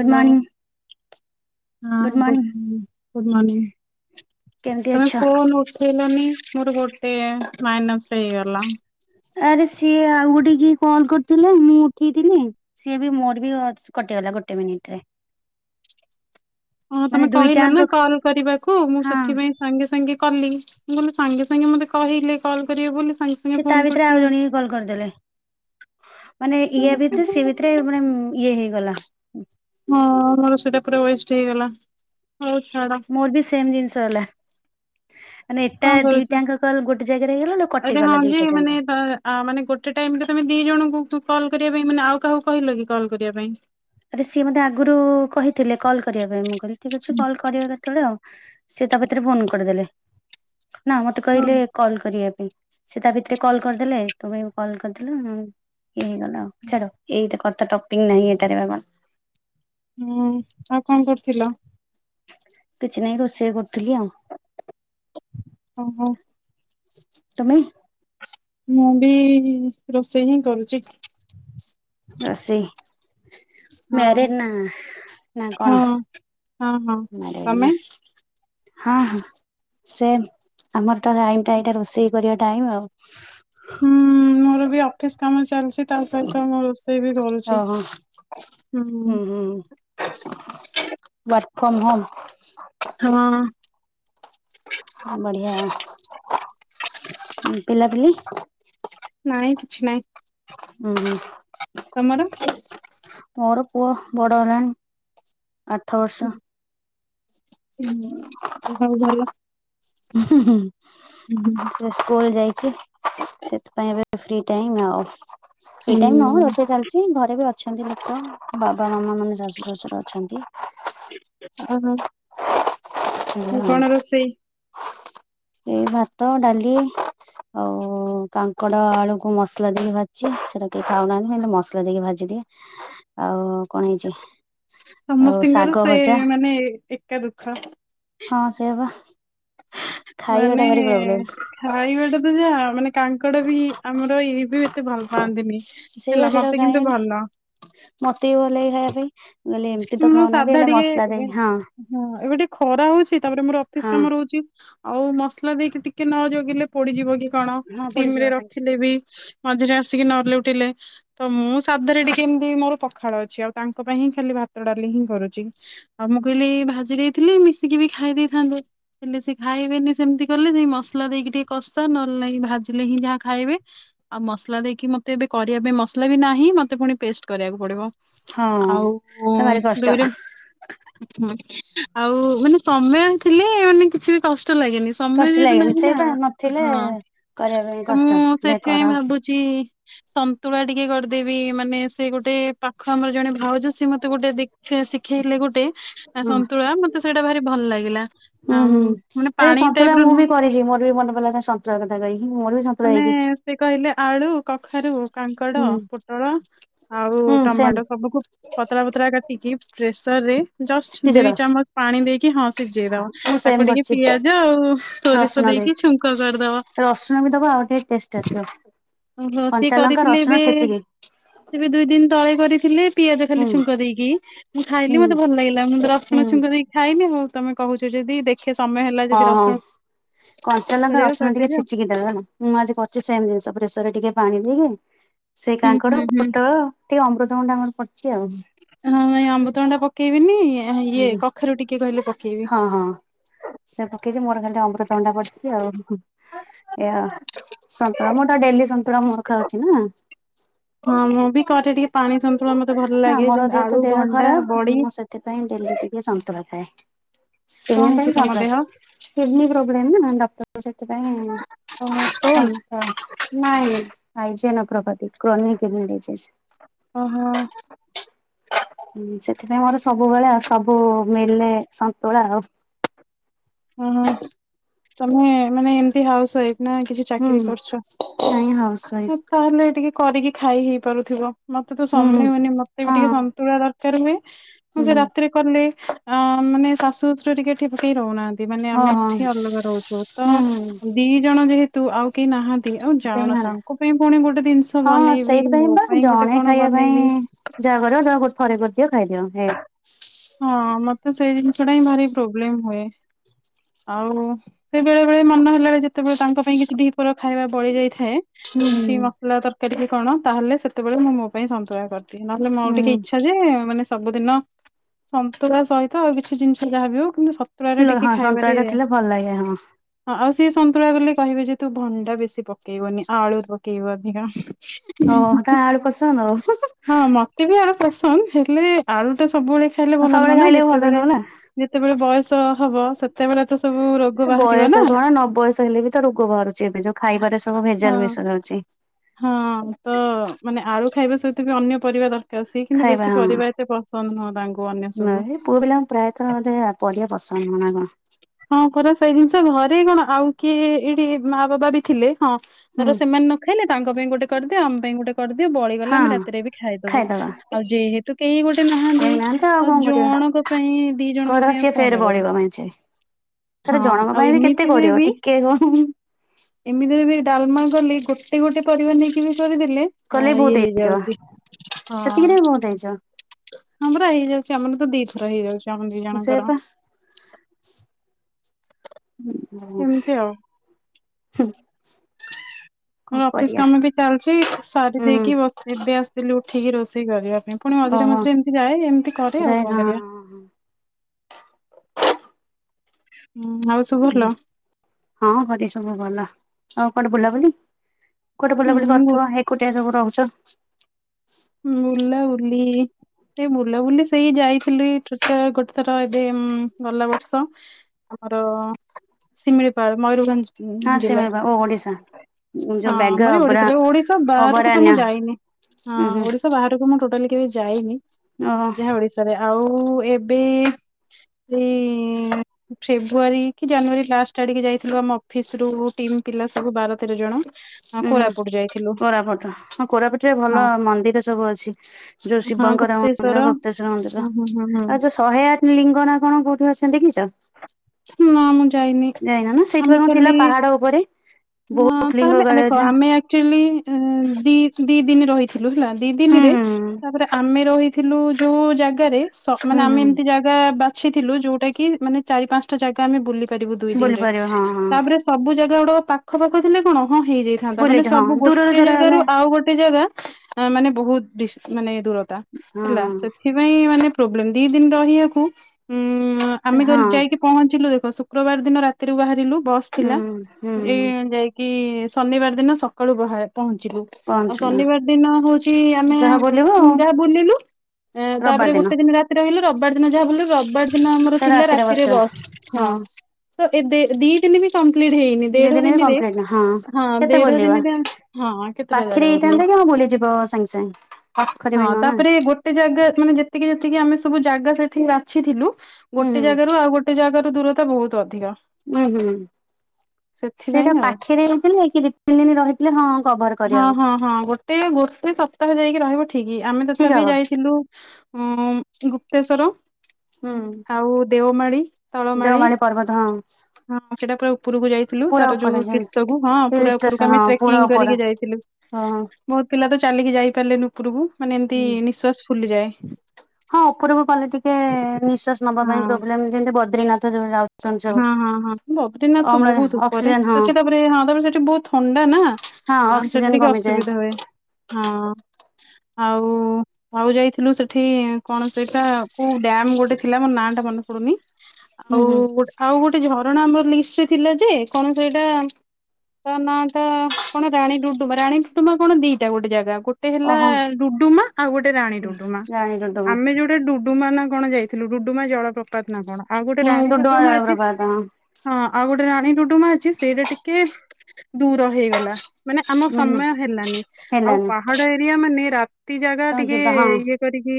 Good hello morning. ହଁ good morning କେମିତି ତମେ ଅଛ ଫୋନ୍ ଉଠ ଲନି ମୋର ଗୋଟେ ମାଇନସ ହେଇଗଲା ଆରେ ସିଏ ଆଉ ଗୋଟେ କି କଲ୍ କରିଥିଲେ ମୁଁ ଉଠେଇଥିଲି ସିଏ ବି ମୋର ବି କଟ। ଗୋଟେ ମିନିଟରେ। ହଁ ତମେ କହିଲ ନା ଦୁଇଟାଙ୍କ କଲ କରିବାକୁ ମୁଁ ହଁ ସେଥିପାଇଁ ସାଙ୍ଗେ ସାଙ୍ଗେ। କଲି ବୋଲେ ସାଙ୍ଗେ ସାଙ୍ଗେ ମତେ କହିଲେ କଲ୍ କରିବେ ବୋଲି। ସାଙ୍ଗେ ସାଙ୍ଗେ ସେ ତା ଫୋନ ଭିତରେ କରିଚ ଆଉ ଜଣ ହି କଲ୍ କରିଦେଲେ। ମାନେ ଇଏ ଭିତରେ ସେ ଭିତରେ ମାନେ ଇଏ ହେଇଗଲା। ହଁ ଆମର ସେଇଟା ପୁରା ବୟଷ୍ଠ ହେଇଗଲା। ହଉ ଛାଡ ମୋର ବି ସେମ୍ ଜିନିଷ ହେଲା। ମାନେ ଏଟା କଣ ଦିଟାଙ୍କ କଲ ଗୋଟେ ଜାଗାରେ କରୁଛ ହେଇଗଲା ଏ କଟିଗଲା ଦିଟା ହଁ ମାନେ ଯାକ ମାନେ ଗୋଟେ ଟାଇମରେ ତମେ ଦି ଜଣଙ୍କୁ କଲ୍ କରିବା ପାଇଁ ମାନେ ଆଉ କାହାକୁ କହିଲ କି କଲ୍ କରିବା ପାଇଁ। ଆରେ ସିଏ ମୋତେ ଆଗରୁ କହିଥିଲେ କଲ୍ କରିବା ପାଇଁ ମୁଁ କହିଲି ଠିକ ଅଛି କଲ୍ କରିବା କେତେବେଳେ ଆଉ। ସେ ତା ଭିତରେ ଫୋନ କରିଦେଲେ ନା ମତେ ହଁ। କହିଲେ କଲ କରି ସେ ତା ଭିତରେ କଲ କରିଦେଲେ ତୋ ପାଇଁ କଲ କରିଦେଲେ। ହେଇ ହେଇଗଲା ଛାଡ଼ ଏଇଟା କରତା ଟପିକ ନହିଁ ଏଟାରେ ବ ହୁଁ ଆଉ କଣ କରୁଥିଲ। କିଛି ନାଇଁ ରୋଷେଇ କରୁ ଓ ହୋ। ତୁମେ ମୁଁ ବି ରୋଷେଇ ହିଁ କରୁଛି। ଅଶେ ହଁ ମ୍ୟରେଡ ନା ନା ହଁ କଣ ହଁ ହଁ ମରେ ତମେ? ହଁ ହଁ ସେ ଆମର ତ ଟାଇ- ଟା- ଏଇଟା ରୋଷେଇ କରିବା ଟାଇମ୍ ଟା ଆଉ। ହୁଁ ମୋର ବି ଅଫିସ କାମ ଚାଲୁଛି ତା ସହିତ ମୁଁ ରୋଷେଇ ବି କରୁଛି। ଓହୋ ହୁଁ। ଫମ ହବ୍। ହଁ ହ ବଢିଆ ଆ ପିଲାପିଲି। ନାଇଁ କିଛି ନାଇଁ ହୁଁ ହୁଁ ତମର। ମୋର ପୁଅ ବଡ ହେଲାଣି ଆଠ ବର୍ଷ ହଁ ହଉ ଭଲ ହୁଁ ସେ ସ୍କୁଲ ଯାଇ ସେଥିପାଇଁ ଏବେ ଫ୍ରି ଟାଇମ ଆଉ। ଫ୍ରି ଟାଇମ ନୁହଁ ଓହୋ ରୋଷେଇ ଚାଲିଛି ଘରେ ବି ଅଛନ୍ତି ଲୋକ ବାବା। ମାନେ ସାସୁ ଶଜୁର ଅଛନ୍ତି। ଓହୋ। ହେଲେ ଆଉ ହଁ କଣ ରୋଷେଇ। ଏଇ ଭାତ ଡାଲି। ଆଉ କାଙ୍କଡ ଆଳୁକୁ ମସଲା ଦେଇକି ଭାଜିଛି ସେଟା କେହି ଖାଉନାହାନ୍ତି ମୁଲେ ମସଲା ଦେଇକି ଭାଜି ଆଉ। କଣ ହେଇଛି ଆଉ ଶାଗ ସମସ୍ତତିଙ୍କର ସେ ଭଜା ମାନେ ଏକା ଦୁଃଖ। ହଁ ସେୟାପା। ମାନେ ଖାଇବା ଟା ତ ଯା ମାନେ କାଙ୍କଡ ବି ଆମର ଇ ବି ଏତେ ଭଲ ପାଆନ୍ତିନି ହେଲା ମତେ କିନ୍ତୁ ଭଲ। ମୋତେ ଭଲ ଖାଇ ମୁଁ ସାଧା ଟିକେ ମସଲା ଦେଇ ହଁ ଏବେ ଟିକେ ଖରା ହଉଛି। ତାପରେ ମୋର ଅଫିସ ହଁ କାମ ରହୁଛି ଆଉ ମସଲା ଦେଇକି ଟିକେ ନ ଜଗିଲେ। ପୋଡିଯିବ କି କଣ ହଁ ସିମ ପୋଡିଯିବ ରେ ସାଙ୍ଗେ ସାଙ୍ଗେ ରଖିଲେ ବି ମଝିରେ ଆସ ନଲେ ଉଠିଲେ ତ ମୁଁ ସାଧରେ ଟିକେ ଏମିତି ମୋର ପଖାଳ ଅଛି ଆଉ ତାଙ୍କ ପାଇଁ ହିଁ ଖାଲି ଭାତ ଡାଲି ହିଁ କରୁଛି ଆଉ ମୁଁ କହିଲି ଭାଜି ଦେଇଥିଲି ମିଶିକି ବି ଖାଇ ଦେଇେଇଥାନ୍ତୁ। ହେଲେ ସେ ଖାଇବେନି ସେମିତି କଲେ ସେଇ ମସଲା ଦେଇକି ଟିକେ କଷା ନଲେ ନହିଁ ଭାଜିଲେ ହିଁ ଯାହା ଖାଇବେ। ଆଉ ମସଲା ଦେଇକି ମତେ ଏବେ କରିବା ପାଇଁ ମସଲା ବି ନାହିଁ ମତେ ପୁଣି ପେଷ୍ଟ କରିବାକୁ ପଡିବ। [unintelligible] ହଁ। ଭାରି କଷ୍ଟ ଆଉ ମାନେ। ସେମାନେ ଥିଲି ମାନେ କିଛି ବି କଷ୍ଟ। କଷ୍ଟ ଲାଗେନି ସମୟ କଷ୍ଟ ଯେହେତୁ ଲାଗେନି ନାହିଁ ନା ସେଇପା ନଥିଲେ ହଁ କରିବା ପାଇଁ ତ କଷ୍ଟ ମୁଁ ଦେ କର ସେଥିପାଇଁ ଭାବୁଛି। ସନ୍ତୁଳା ଟିକେ କରିଦେବି ମାନେ ସେ ଗୋଟେ ପାଖ ଆମର ଜଣେ ଭାଉଜ ସ ମତେ ଶିଖେଇଥିଲେ ଗୋଟେ ହୁଁ ସନ୍ତୁଳା ମତେ ସେଇଟା ଭାରି ଭଲ ଲାଗିଲା। ହୁଁ ଆମ୍ ହୁଁ ମାନେ ଏରେ ପାଣି ସନ୍ତୁଳା ଟାଇପ ର ମୁଁ ନୁହଁ ବି କରିଛି ମୋର ବି ମନପିଲ ସନ୍ତୁଳା କଥା କହିକି। ବି ସନ୍ତୁଳା ଆମେ ହେଇଛି ସେ କହିଲେ ଆଳୁ କଖାରୁ। କାଙ୍କଡ ହୁଁ। ପୋଟଳ ଆଉ ହୁଁ ସେମ୍ ଟମାଟୋ ସବୁକୁ ପତରା ପତରା କାଟିକି। ପ୍ରେସର ରେ ଜଷ୍ଟ ଦିଇ ସିଝେଇଦବ ଚାମଚ ପାଣି ଦେଇକି ହଁ ସିଝେଇଦବା ମୁଁ ସେମ୍ ତାକୁ ଟିକେ କରିଛି ପିଆଜ ଆଉ ସୋରିଷ ଦେଇକି ଛୁଙ୍କ କରିଦବା। ଆଉଡେଟ ବେଷ୍ଟ ଆସିବ ଓ ହୋ ସି କଞ୍ଚା ଲଙ୍କା କରିଥିଲେ ଏ ରସୁଣ ବି ଛେଚିକି ସେ ବି ଦୁଇ ଦିନ ତଳେ କରିଥିଲେ। ପିଆଜ ହୁଁ ଖାଲି ଛୁଙ୍କ ଦେଇକି ମୁଁ ଖାଇଲି ହୁଁ। ମତେ ଭଲ ଲାଗିଲା ମୁଁ ହୁଁ ରସୁଣ ଛୁଙ୍କ ଦେଇକି ଖାଇଲି ଆଉ ତମେ କହୁଛ। ଯଦି ଦେଖେ ସମୟ ହେଲା ହଁ ଯଦି ହଁ। ରସୁଣ। କଞ୍ଚା ଲଙ୍କା କରିବାକୁ ରଚଣ ଟିକେ କରିଦେବି ଆଉ। ଛେଚିକି ଦେବା ହେଲା ମୁଁ ଆଜି କରିଛି ସେ ଜିନିଷ ପ୍ରେସରରେ। ଟିକେ ପାଣି ଦେଇକି ସେଇ ହୁଁ ହୁଁ କାଙ୍କଡ ହୁଁ ପୋଟଳ ଟିକେ ଅମୃତଭ ଡାଙ୍ଗର ପଡିଛି ଆଉ। ହଁ ନାଇଁ ଆମ୍ବୁତଣ ଟା ପକେଇବିନି ଇଏ କଖରୁ ଟିକେ କହିଲେ ପକେଇବି। ହଁ ହଁ ସେ ପକେଇଛି ମୋର ଖାଲି ଅମୃତ ଅଣ୍ଡା ପଡିଛି ଆଉ। ଏଆ ସନ୍ତୁଳା ମୋର ତ ଡେଲି ସନ୍ତୁଳା ମୋର ଖାଉଚିନା। ହଁ ମୁଁ ବି କଟେ ଟିକେ ପାଣି ହଁ ମତେ ଭଲ ନା ଲାଗେ ମୋର ଯେମତି ଯେହେତୁ ଆଳୁ ଦେହ ଭଣ୍ଡା ଖରାପ ବଡି। ମୁଁ କଣ ସେଥି ହେଇଛି ପାଇଁ ତମ ପ୍ର ଦେହ କିଡନୀ ପ୍ରୋବ୍ଲେମ୍ ନା ଡଟର ସେଥିପାଇଁ ଷ୍ଟୋନ ଆଚଛା ନାଇଁ ପାଇଛି ନ ପ୍ରପତି କ୍ରୋନ କେଛି ଓ ହୋ। ହଁ ସେଥିପାଇଁ ମୋର ସବୁବେଳେ ସବୁ ମେଲେ ସନ୍ତୁଳା ଆଉ। ଓ ହ ତମେ ମାନେ ଏମତି ହାଉସ୍ ୱାଫି। ନା କିଛି ହୁଁ ଚାକିରି କରୁଛ ନାଇଁ ହାଉସ ୱାଇଫ ତାହେଲେ ଟିକେ କରିକି ଖାଇ ହେଇ ପାରୁଥିବ। ମତେ ତ ହୁଁ ହୁଁ ସମୟ ହୁଏନି ମତେ ବି ଟିକେ ହଁ ସନ୍ତୁଳା ଦରକାର ହୁଏ ମୁଁ ସେ ହୁଁ ରାତିରେ କଲି। ଅ ମାନେ ଶାଶୁ ଶଶୁର ଟିକେ ଠିକ୍ ହେ ରହୁନାହାନ୍ତି। ମାନେ ହଁ ଆମେ ହଁ ଏଠି ଅଲଗା ରହୁଛୁ ତ ହୁଁ ଦି ଜଣ ଯେହେତୁ ଆଉ କେହି ନାହାନ୍ତି। ଆଉ ଜାଣ ଦେଇନାହାନ୍ତି। ତାଙ୍କ ପାଇଁ ପୁଣି ଗୋଟେ ଜିନିଷ ହଁ ବନେଇବି ସେଇଥିପାଇଁ ମୋ ବା ପାଇଁ ଗୋଟେ ଜଣେ କଣ ଖାଇବା ପାଇଁ ବନେଇବି ଯାହା କରିବା ତାୋ ଥରେ କରିଦିଅ ଖାଇଦିଅ ହେ ହଁ ମତେ ସେଇ ଜିନଷଟା ଭାର ପ୍ରୋବ୍ଲେମ ହୁଏ। ଆଉ ସେ ବେଳେ ବେଳେ ମନ ହେଲାଣି ଯେତେବେଳେ ତାଙ୍କ ପାଇଁ କିଛି ଦିପୋର ଖାଇବା ବଳି ଯାଇଥାଏ। ହୁଁ। କିଛି ମସଲା ତରକାରୀ ବି କଣ ତାହେଲେ ସେତେବେଳେ ମୁଁ ମୋ ପାଇଁ ସନ୍ତୁୋଳ କରିି। ନହେଲେ ମୋର ଟିକେ ଇଚ୍ଛା ଯେ ମାନେ ସବୁଦିନ ସନ୍ତୁଳା ସହିତ ଆଉ କିଛି ଜିନିଷ ଯାହାବି ହଉ କିନ୍ତୁ ସତୁୁଳାରେ ହୁଁ ଟିକେ ହଁ ସନ୍ତୁଳା ଖାଇବାରେ ଟା ଥିଲେ ଭଲ ଲାଗେ ହଁ ହଁ ଆଉ ସଏ ସନ୍ତୁଳା କଲେ କହିବେ ଯେ ତୁ ଭଣ୍ଡା ବେଶୀ ପକେଇବନି ଆଳୁରୁ ପକେଇବୁ ଅଧିକା। ଓଁ ତା ଆଳୁ ପସନ୍ଦ ଆଉ। ହଁ ମତେ ବି ଆଳୁ ପସନ୍ଦ ହେଲେ ଆଳୁ ଟା ସବୁବେଳେ ଖାଇଲେ ଭଲ ନହ ସବୁବେଳେ ନା ଖାଇଲେ ଭଲ ଯେତେବେଳେ ନୁହଁ ନା। ଯେତେବେଳେ ବୟସ। ହବ ସେତେବେଳେ ତ ସବୁ ରୋଗ ବାହାରିବ ନା ବୟସ କଣ ନ ବୟସ ହେଲେ ବି ତ ରୋଗ ବାହାରୁଛି ଏବେ ଯୋଉ ଖାଇବାରେ ସବୁ ହଁ ଭେଜାଲ ମିଶା ଯାଉଛି। ହଁ ତ ମାନେ ଆଳୁ ଖାଇବା ସହିତ ବି ଅନ୍ୟ ପରିବା ଦର ତ ସିଏ କିନ୍ତୁ ଖାଇବା ବେଶୀ ହଁ ପରିବା ଏତେ ପସନ୍ଦ ନୁହଁ ତାଙ୍କୁ ଅନ୍ୟ ସବୁ ନାଇଁ ତମ ନା କଣ? ହଁ ପରା ସେଇ ଜିନିଷ ଘରେ କଣ ଆଉ କିଏ ଏଇଠି ମା ବାବା ବି ଥିଲେ। ହଁ ହୁଁ। ତାର ସେମାନେ ନ ଖାଇଲେ ତାଙ୍କ ପାଇଁ ଗୋଟେ କରିଦିଅ ଆମ ପାଇଁ ଗୋଟେ କରିଦିଅ ବଳିଗଲା ହଁ ଆମେ ହଁ ରାତିରେ ବି ଖାଇଦବୁ। ଖାଇଦବା ଆଉ ଯେହେତୁ କେହି ଗୋଟେ ନାହାନ୍ତି ଖାଇନାହାନ୍ତି ଆଉ କଣ କରିବା ଜଣଙ୍କ ପାଇଁ ଦି କର ଜଣଙ୍କ ପାଇଁ ଆଉ ସିଏ କଣ ଫେର ଟା କରି । ଜଣଙ୍କ ବଳିବ ପାଇଁ ଅଛି। ଆରେ ଜଣକ ଆଉ ପାଇଁ ବି କେତେ ଏମିତିରେ କରିବ ବି ଟିକେ ହୁଁ ହୁଁ ହୁଁ। ଏମିତିରେ ବି ଡାଲମା କଲି ଗୋଟେ ଗୋଟେ ପରିବା ନେଇକି ବି କରିଦେଲେ ହଁ କଲେ ବହୁତ ଇଏ ହେଇଯିବ। ହେଇଯାଉଛି ହଁ। ସେତିକିରେ ବହୁତ ହେଇଯିବ ଆମର ହେଇଯାଉଛି ଆମର ତ ଦି ଥର ହେଇଯାଉଛି ଆମ ଦି ସେ ଜଣଙ୍କର। ପା ଉ ହୁଁ ଏମିତି ଆଉ। ହୁମ । ହୁଁ ଅଫିସ କାମ ବି ଚାଲିଛି ସାରି ହୁଁ ଦେଇକି ବସ ଏବେ ଆସିଥିଲି ଉଠିକି ରୋଷେଇ କରିବା। ପୁଣି ମଝିରେ ଓହୋ ମଝିରେ ଏମିତି ଯାଏ ଏମିତି କରେ ସେ ଆଉ କଣ କରିବା। ହଁ ହୁଁ ଆଉ ସବୁ ଭଲ ହଁ ଘରେ ସବୁ ଭଲ, ଆଉ କୁଆଡେ ବୁଲାବୁଲି? କୁଆଡେ ବୁଲାବୁଲି ହୁଁ କରିଥିବ ଏକୁଟିଆ ସବୁ ରହୁଛ। ପ୍ଲିଜ। ସେ ବୁଲାବୁଲି ସେଇ ଯାଇଥିଲି [unintelligible] ଗୋଟେଥର ଏବେ ଉମ ଗଲା ବର୍ଷ ଆଉ ଆମର ଶିମିଳିପାଳ ମୟୂରଭଞ୍ଜ। ହଁ ଜିଲ୍ଲା ଶିମିଳିପାଳ ଓ ଓଡ଼ିଶା। ହଁ ଆମରି ଓଡିଶାରେ ଓଡ଼ିଶା ବାହାରକୁ ତ ମୁଁ ଅଭୟାରଣ୍ୟ ଯାଇନି ହଁ। ଉଁ ହୁଁ ଓଡିଶା ବାହାରକୁ ମୁଁ ଟୋଟାଲି କେବେ ଯାଇନି ଓହୋ ଯାହା ଓଡିଶାରେ। ଆଉ ଏବେ ଏଇ ଫେବୃଆରୀ କି ଜାନୁଆରୀ ଲାଷ୍ଟ ଆଡିକି ଯାଇଥିଲୁ ଆମ ଅଫିସ ରୁ। ଟିମପିଲା ସବୁ ବାର ତେର ଜଣ ହଁ ଉ ହୁଁ କୋରାପୁଟ ଯାଇଥିଲୁ କୋରାପୁଟ ହଁ କୋରାପୁଟରେ ହଁ ଭଲ ମନ୍ଦିର ସବୁ ଅଛି, ଯୋଉ ହଁ ଶିବଙ୍କର ଗୁପ୍ତେଶ୍ଵର। ମନ୍ଦିର ଗୁପ୍ତେଶ୍ଵର ମନ୍ଦିର ହୁଁ ହୁଁ ହୁଁ ଆଉ ହୁଁ ଯୋଉ ଶହେ ଆଠ ଲିଙ୍ଗନା କଣ କୋଉଠି ଅଛନ୍ତି ଦେଖିଛ? ନା ମୁଁ ଯାଇନି, ଯାଇନ ନା ସେଇଠି ବା ଆମେ କଣ ଥିଲା ଖାଲି ପାହାଡ ଉପରେ ହଁ ବହୁତ ଲିଙ୍ଗ ତାହେଲେ କାଳେ ଦେଖ, ଅଛି ଆମେ ଆଚୁଆଲି ଦି ଦି ଦିନ ରହି ହେଲା ଦି ହୁଁ ଦିନରେ ହୁଁ ତାପରେ ଆମେ ରହିଥିଲୁ ଯୋଉ ଜାଗାରେ ମାନେ ହୁଁ ଆମେ ହୁଁ ଏମିତି ଜାଗା ବାଛିଥିଲୁ, ଯୋଉଟା କି- ମାନେ ଚାରି ପାଞ୍ଚଟା ଜାଗା ଆମେ ବୁଲି ପାରିବୁ ଦୁଇ ବୁଲି ଦିନରେ, ପାରିବ ହଁ ହଁ ତାପରେ ସବୁ ଜାଗା ଗୁଡାକ ପାଖ ପାଖ ଥିଲେ କଣ? ହଁ ହେଇଯାଇଥାନ୍ତା, ମାନେ ବୁଲିଛ ହଁ ସବୁ ଦୂରରେ ଗୋଟେ ଧର ଜାଗାରୁ ହେଲେ ଆଉ ଗୋଟେ ଜାଗା ମାନେ ବହୁତ ଡିସ ମାନେ- ଦ ହଁ ହେଲା ହଁ ସେଥିପାଇଁ ମାନେ ପ୍ରବ୍ଲେମ ଦି ଦିନ ରହିବାକୁ ଉ ମା ଆମେ କହିଲୁ ହଁ ଯାଇକି ପହଞ୍ଚିଲୁ ଦେଖ ଶୁକ୍ରବାର ଦିନ ରାତିରୁୁ ବାହାରିଲୁ ବସ୍ ହୁଁ ଥିଲା, ହୁଁ ଏନେ ଯାଇକି କି ଇ ଶନିବାର ଦିନ ସକାଳୁ ବାହାରେ ପହଞ୍ଚିବୁ, ଆଉ ପହଞ୍ଚିଲ ଶନିବାର ଦିନ ହଉଛି ଆମେ ଯାହା ବୁଲିବ ଆଉ ଯାହା ବୁଲିଲୁ ତାପରେ ଗୋଟେ ଦିନ ରାତି ରହିଲୁ ରବିବାର ଦିନ ଯାହା ବୁଲିଲୁ, ରବିବାର ଦିନ ଆମର ସେ ଥିଲା ରାତିରେ ବସିବ ବସ ହଁ, ତ ଏ ଦେ ଦିଇ ଦିନ ବି କାମ ହେଇନି ଦି ଦେଢ ଦିନ ବି ଦିନରେ କମ୍ପ୍ଲିଟ ହଁ, କେତେ ଦେଢ ବୁଲିବା ଦିନରେ ହଁ, କେତେଟା ପାଖରେ ଜାଗା ବୁଲିବ ହେଇଥାନ୍ତା କି ହଁ ବୁଲିଯିବ ସାଙ୍ଗେ ସାଙ୍ଗେ ପାଖରେ ବି ହଁ ନୁହଁ ନା ତାପରେ ଗୋଟେ ଜାଗା ମାନେ ଯେତିକି ଯେତିକି ଆମେ ସବୁ ଜାଗା ସେ ବାଛିଥିଲୁ ହୁଁ ଗୋଟେ ହୁଁ ଜାଗାରୁ ଆଉ ଜାଗାରୁ ଦୂରତା ବହୁତ ଅଧିକା ହୁଁ ହୁଁ ସେଥିପାଇଁ ସେଟା ଆଉ। ପାଖରେ ହେଇଥିଲେ କି ଦି ତିନି ଦିନ ରହିଥିଲେ ହଁ କଭର ହଁ କରିହବ ହଁ ହଁ ଗୋଟେ ଗୋଟେ ସପ୍ତାହ ଯାଇକି ରହିବ ଠିକି ଆମେ ଠିକ ହବ ତଥାପି ଯାଇଥିଲୁ ହଁ ଗୁପ୍ତେଶ୍ଵର ହୁଁ ଆଉ ଦେଓମାଳିୀ। ଦେଓମାଳି ପର୍ବତ ହଁ। ହଁ ସେଟାପୁରା ଉ ଉପରୁକୁ ଯାଇଥିଲୁ ପୁରା ତାର ଉପରେ ଯୋଉ ଶିର୍ଷକୁୁ ହଁ ହିଲ୍ ପୁରା ଉପରକୁ ଷ୍ଟେସନ ଆମେ ହଁ ପୁରା ଟ୍ରେକିଂ ଉପର କରିକି ଯାଇଥିଲୁ। ହଁ ବହୁତ ପିଲା ତ ଚାଲିକି ଯାଇ ପାରିଲେନୁ ଉପରକୁ ମାନେ ଏମତି ହୁଁ ନିଶ୍ଵାସ ଫୁଲିଯାଏ। ହଁ ଉପରକୁ କଲେ ଟିକେ ନିଶ୍ଵବାସ ନବା ପାଇଁ ହଁ। ପ୍ରୋବ୍ଲେ ଯେମତି ବଦ୍ରିନାଥ ଯୋଉ ଯାଉ ହଁ ହଁ ହଁ ବଦ୍ରୀିନାଥ ତ ବହୁତ ଉପରେ ଅକ୍ସିଜେନ ହଁ ତାପରେ ହଁ ତାପରେ ସେଠି ବହୁତ ଥଣ୍ଡା ନା। ହଁ ଆମ ଅକ୍ସିଜେନ ସେଠି ଟିକେ କମିଯାଏ। ଅସୁବିଧା ହୁଏ ହଁ। ଆଉ ଆଉ ଯାଇଥିଲୁ ସେଠି କଣ ସେଇଟା କୋଉ ଡ୍ୟାମ ଗୋଟେ ଥିଲା ମୋ ନାଁ ଟା ମନେ ଡୁନି ଆଉ ହୁଁ ହୁଁ। ଆଉ ଗୋଟେ। ଗୋଟେ ଝରଣା ଆମର ଲିଷ୍ଟରେ ଥିଲା ଯେ କଣ ସେଇଟା। ତା ନାଟା କଣ ରାଣୀ ଡୁଡୁମା ରାଣୀ ଡୁଡୁମା କଣ ଦିଟା ଗୋଟେ ଜାଗା ଗୋଟେ। ଗୋଟେ ହେଲା ଓହୋ ଡୁଡୁମା ଆଉ ଗୋଟେ ରାଣୀ ଡୁଡୁମା ଜାଣି ଡୁଡୁମା ଆମେ ଯୋଉଟା ଡୁଡୁମା। କଣ ଯାଇଥିଲୁ ରୁଡୁମା ଜଳ ପ୍ର୍ରପାତ ନା କଣ ଆଉ ଗୋଟେ ହୁଁ ରାଣୀ ଡୁଡୁମା ରୁଡୁମା ଅଛି ଜଳପ୍ରପାତ ହଁ ହଁ ଆଉ ଗୋଟେ ରାଣୀ ଡୁଡୁମା ଅଛି ସେଇଟା ଟିକେ ଦୂର ହେଇଗଲା ମାନେ ଆମ ହୁଁ ହୁଁ। ସମୟ ହେଲାନି ଆଉ ହେଲାନି ପାହାଡ ଏରିଆ ମାନେ ତି ଜାଗା ତ ଟିକେ ଯିବା ହଁ ଇଏ କରିକି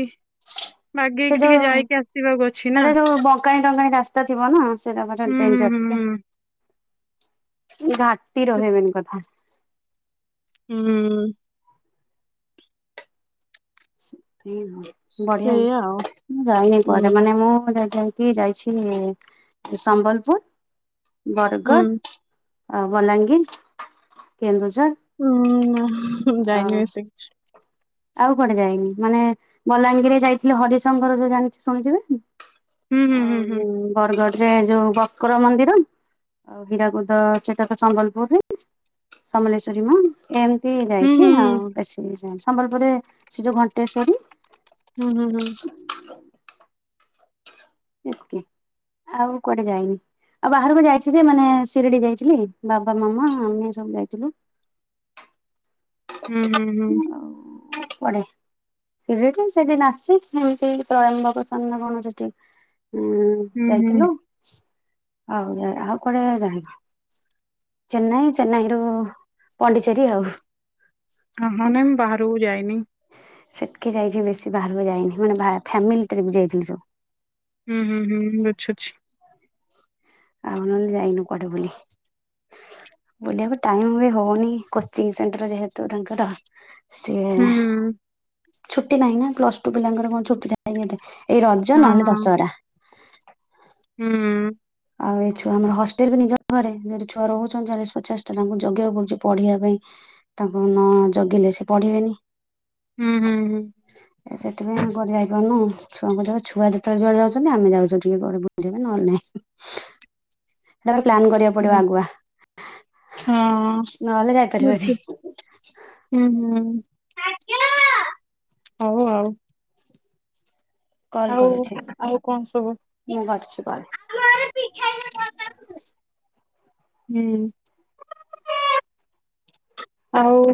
ସେ ବାଗେଇକି ଟିକେ ଯୋଉ ଯାଇକି ଆସିବାକୁ ଅଛି ନା ଟା ରାସ୍ତା ଥିବ ନା ସେଟା ଗୋଟେ ହୁଁ ହୁଁ ଡେଞ୍ଜର ହୁଁ ଟିକେ ହୁଁ। ତି ସେ- ରହିବନ କଥା। ହୁଁ। ସେ ବଢିଆ ସେଇଆ ଆଉ ମୁଁ ଯାଇନି କୁଆଡ ହୁଁ। ମାନେ ମୁଁ ଯ କିଏ ଯାଇଛି ସମ୍ବଲପୁର୍ ହୁଁ ବରଗଡ଼। ଅ ବଲାଙ୍ଗୀର କେନ୍ଦୁଝ ହୁଁ ଯାଇନି ବ ସେ କିଛି। ଆଉ କୁଆଡେ ଯାଇନି ମାନେ ବଲାଙ୍ଗୀରରେ ଯାଇଥିଲେ ହରିଶଙ୍କର ଯୋଉ ଜାଣିଛି ଶୁଣିଥିବେ। ହୁଁ ହୁଁ ଆଉ ହୁଁ ହୁଁ। ହ ବର୍ଗର୍। ରେ ଯୋଉ ବକର ମନ୍ଦିର ଆଉ ହୀରାକୁଦ ସେଟାକ ସମ୍ବଲପୁରରେ। ସମଲେଶ୍ଵରୀ ମା ଏ ହୁଁ ଯାଇଛି ହୁଁ ଆଉ ବେଶୀ ସମ୍ବଲପୁରରେ ସେ ଯୋଉ ଘଣ୍ଟେଶ୍ଵରୀ। ହୁଁ ହୁଁ ହୁଁ। ଆଉ କୁଆଡେ ଯାଇନି। ଆଉ ବାହାରକୁ ଯାଇଛି ଯେ ମାନେ ସିରିଡି ଯାଇଥିଲି ବାବା ମାମା ଆମେ ସବୁ ଯାଇଥିଲୁ। ହୁଁ ହୁଁ ହୁଁ। ପଡ଼େ। ସେ ସେଠି ନାସିକ୍ ସେମିତି ପ୍ରୟମ୍ଭ ପ୍ରସନ୍ନ କଣ ସେଠି। ହୁଁ ହୁଁ ହୁଁ ଯାଇଥିଲୁ ଆଉ ଯ ଆଉ କୁଆଡେ ଜାଣିଲ। ଚେନ୍ନାଇ ଚେନ୍ନାଇରୁ ପଣ୍ଡିଚେରୀ ଆଉ ହଁ ହଁ ନାଇଁ ମୁଁ ବାହାରକୁ ଯାଇନି। ସେତକି ଯାଇଛି ବେଶୀ ବାହାରକୁ ଯାଇନି ମାନେ ଫ୍ୟାମିଲି ଟ୍ରିପ ଯାଇଥିଲୁ ସବୁ। ହୁଁ ହୁଁ ହୁଁଁ ଆଚ୍ଛା ଆଚ୍ଛା। ଆଉ ନହେଲେ ଯାଇନୁ କୁଆଡ଼େ ବୁଲି? ବୁଲିଆକୁ ଟାଇମ ବି ହଉନି କୋଚିଂ ସେଣ୍ଟର ଯେହେତୁ ତାଙ୍କର। ସିଏ ହୁଁ ଛୁଟି ନାହିଁ ନା ପ୍ଲସ ଟୁ ପିଲାଙ୍କର କଣ ଛୁଟି ଥାଏ କି ଏତେ ଏଇ ରଜ ହଁ ନହେଲେ ହଁ ଦଶହରା। ହୁଁ। ଆଉ ଏଇ ଛୁଆ ଆମ ହଷ୍ଟେଲ ବି ନିଜ ଘରେ ଯଦି ଛୁଆ ରହୁଛନ୍ତି ଚାଳିଶ ପଚାଶ ଟା ତାଙ୍କୁ ଜଗିବାକୁ ପଡୁଛି। ପଢିବା ପାଇଁ ତାଙ୍କୁ ନ ଜଗିଲେ ସେ ପଢିବେନି। ହୁଁ ହୁଁ ହୁଁ। ଏ ସେଥିପାଇଁ ଆମେ କୁଆଡ଼େ ଯାଇପାରୁନୁ ଛୁଆଙ୍କ ଦେହ ଛୁଆ ଯେତେବେଳେ ଯୁଆଡେ ଯାଉଛନ୍ତି ଆମେ ଯାଉଛୁ ଟିକେ କୁଆଡେ ବୁଲିବା ନହେଲେ ନାଇଁ। ସେତବେଳେ ପ୍ଲାନ୍ କରିବାକୁ ପଡିବ ହୁଁ ଆଗୁଆ। ହଁ ନହେଲେ ହଁ ଯାଇପାରିବନି [unintelligible] ହୁଁ ହୁଁ। ଆଜ୍ଞା ହଉ ଆଉ। କଲ୍ ଆଉ କରୁଛି ଆଉ କଣ ସବୁ ମୁଁ କରୁଛି କଲ୍। ଆ [inaudible] ହୁଁ ଆଉ